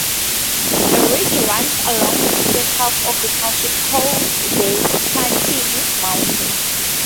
A ridge runs along the eastern half of the township called the Kittatinny Mountains.